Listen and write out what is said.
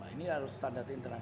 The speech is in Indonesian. ini harus standar internasional